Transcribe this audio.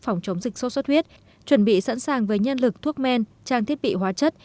phòng chống dịch sốt xuất huyết chuẩn bị sẵn sàng với nhân lực thuốc men trang thiết bị hóa chất